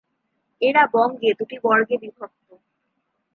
এরা বঙ্গে দুটি বর্গে বিভক্ত।